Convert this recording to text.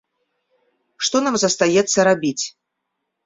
Што нам застаецца рабіць?